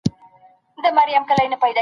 کله دوه ګونی تابعیت ستونزي جوړوي؟